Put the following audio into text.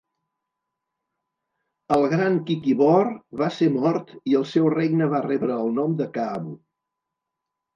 El gran Kikibor va ser mort i el seu regne va rebre el nom de Kaabu.